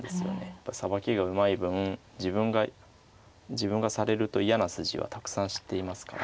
やっぱさばきがうまい分自分がされると嫌な筋はたくさん知っていますから。